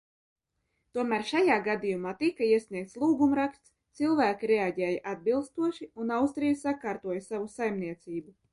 Tomēr šajā gadījumā tika iesniegts lūgumraksts, cilvēki reaģēja atbilstoši, un Austrija sakārtoja savu saimniecību.